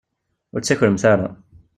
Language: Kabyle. Ur ttakremt ara.